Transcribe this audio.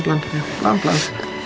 pelan pelan pelan